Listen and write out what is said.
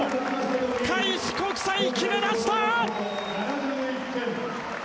開志国際、決めました！